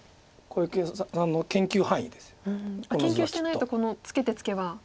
研究してないとこのツケてツケは。